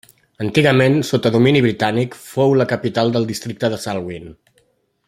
Antigament, sota domini britànic, fou la capital del districte del Salween.